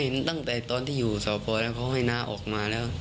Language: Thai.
เห็นตั้งแต่ตอนที่อยู่สพแล้วเขาให้น้าออกมาแล้ว